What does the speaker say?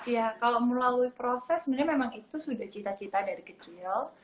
ya kalau melalui proses sebenarnya memang itu sudah cita cita dari kecil